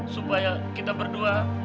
supaya kita berdua